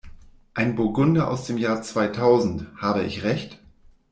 Ein Burgunder aus dem Jahr zweitausend, habe ich Recht?